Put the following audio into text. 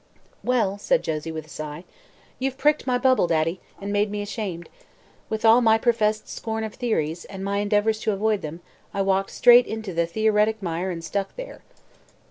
"Well," said Josie with a sigh, "you've pricked my bubble, Daddy, and made me ashamed. With all my professed scorn of theories, and my endeavors to avoid them, I walked straight into the theoretic mire and stuck there."